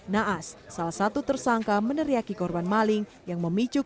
naas salah satu tersangka meneriaki korban maling yang memicu korban